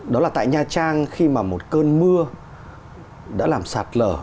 đó là tại nha trang khi mà một cơn mưa đã làm sạt lở